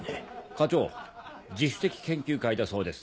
課長自主的研究会だそうです。